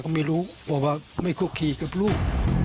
ก็ไม่รู้บอกว่าไม่คุกคีกับลูก